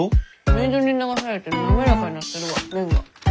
水に流されて滑らかになってるわ麺が。